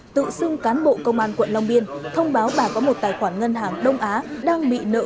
tự xưng cán bộ công an quận long biên thông báo bà có một tài khoản ngân hàng đông á đang bị nợ